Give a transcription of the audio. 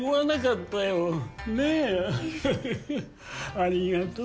ありがとう。